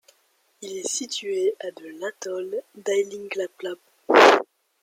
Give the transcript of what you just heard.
Il est situé à de l'atoll d'Ailinglaplap.